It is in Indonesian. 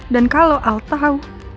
dan kalau al tahu